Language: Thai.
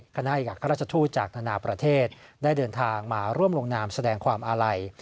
คณะเอกราชทูตจากธนาประเทศได้เดินทางมาร่วมลงนามแสดงความอาลัย